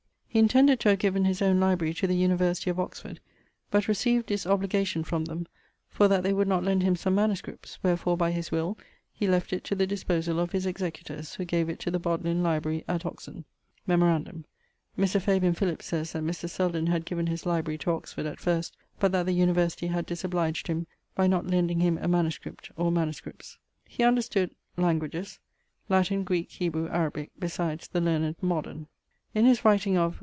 He intended to have given his owne library to the University of Oxford[LXXXV.], but received disobligation from them, for that they would not lend him some MSS.; wherfore by his will he left it to the disposall of his executors, who gave it to the Bodlean library, at Oxon. [LXXXV.] Memorandum: Mr. Fabian Philips says that Mr. Selden had given his library to Oxford at first, but that the University had disobliged by not lending him a MS. or MSS. He understood ... languages: Latin, Greeke, Hebrew, Arabique, besides the learned modern. In his writing of